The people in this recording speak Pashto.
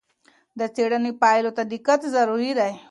د څېړنې پایلو ته دقت ضروری دی.